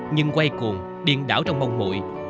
nhưng quay cuồng điên đảo trong mong mùi